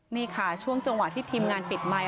นี่ค่ะช่วงจังหวะที่ทีมงานปิดไมค